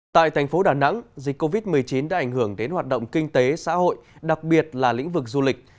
tại thành phố đà nẵng dịch covid một mươi chín đã ảnh hưởng đến hoạt động kinh tế xã hội đặc biệt là lĩnh vực du lịch